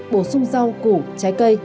bổ sung rau củ trái cây